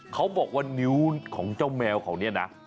เขาบอกว่านิ้วของเจ้าแมวเขาเนี่ยนะ